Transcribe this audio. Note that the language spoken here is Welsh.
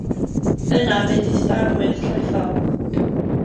Yna bu distawrwydd llethol.